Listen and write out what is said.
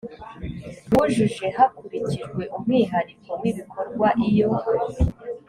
bujuje hakurikijwe umwihariko w ibikorwa iyo